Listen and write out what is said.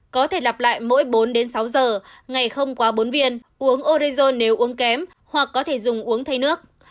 có thể lặp lại mỗi bốn đến sáu giờ ngày không quá bốn viên uống orezon nếu uống kém hoặc có thể dùng uống thay nước